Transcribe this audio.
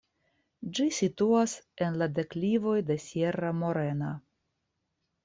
Ĝi situas en la deklivoj de Sierra Morena.